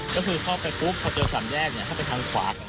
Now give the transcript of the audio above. ก็คือเข้าไปปุ๊บพอเจอสันแยกเนี่ยถ้าเป็นทางขวา